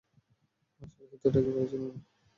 আসার হেতুটা কি বলেছেন উনি?